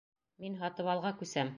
Мин Һатыбалға күсәм.